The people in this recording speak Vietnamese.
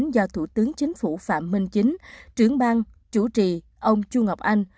do thủ tướng chính phủ phạm minh chính trưởng bang chủ trì ông chu ngọc anh